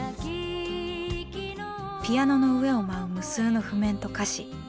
ピアノの上を舞う無数の譜面と歌詞。